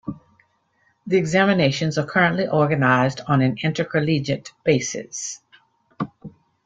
The examinations are currently organised on an intercollegiate basis.